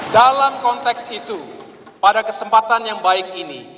dalam konteks itu pada kesempatan yang baik ini